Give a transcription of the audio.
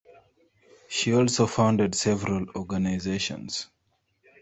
She also founded several organizations.